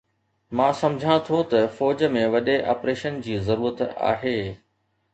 مان سمجهان ٿو ته فوج ۾ وڏي آپريشن جي ضرورت آهي